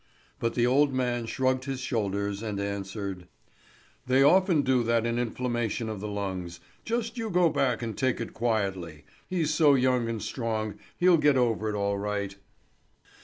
But the old man shrugged his shoulders and answered: "They often do that in inflammation of the lungs. Just you go back and take it quietly. He's so young and strong, he'll get over it all right."